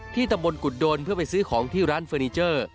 ตำบลกุฎโดนเพื่อไปซื้อของที่ร้านเฟอร์นิเจอร์